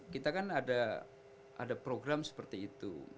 kita kan ada program seperti itu